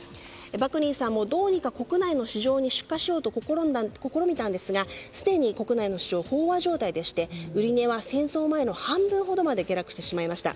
バクニーさんもどうにか国内の市場に出荷しようと試みたんですがすでに国内の市場は飽和状態でして売値は戦争前の半分ほどまで下落してしまいました。